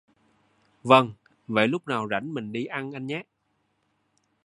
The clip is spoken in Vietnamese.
Vâng vậy Lúc nào rảnh mình đi ăn anh nhé